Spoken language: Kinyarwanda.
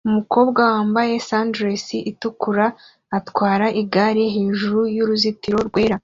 Umukobwa wambaye sundress itukura atwara igare hejuru y'uruzitiro rwera